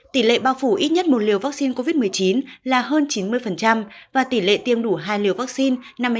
tỷ lệ bao phủ ít nhất một liều vắc xin covid một mươi chín là hơn chín mươi và tỷ lệ tiêm đủ hai liều vắc xin năm mươi tám năm